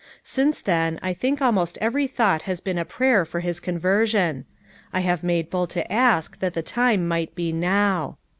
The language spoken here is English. Since then, I think almost every thought has been a prayer for his conversion. I have made bold to ask that the time might be NOW.